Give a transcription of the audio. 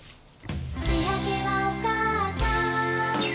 「しあげはおかあさん」